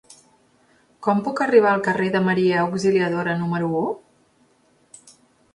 Com puc arribar al carrer de Maria Auxiliadora número u?